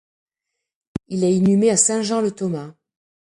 Il est inhumé à Saint-Jean-le-Thomas.